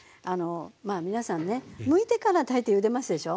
まあ皆さんねむいてから大抵ゆでますでしょ。